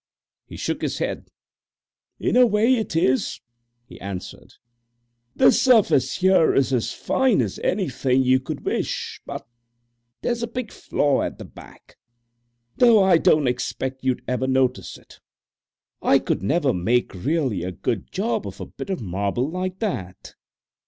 He shook his head. "In a way it is," he answered; "the surface here is as fine as anything you could wish, but there's a big flaw at the back, though I don't expect you'd ever notice it. I could never make really a good job of a bit of marble like that.